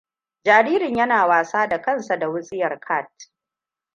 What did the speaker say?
Jaririn yana wasa da kansa da wutsiyar cat.